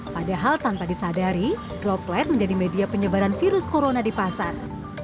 padahal tanpa disadari droplet menjadi media penyebaran virus corona di pasar